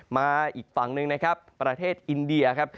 มาอีกฝั่งหนึ่งนะครับประเทศอินเดียครับ